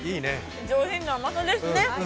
上品な甘さですね。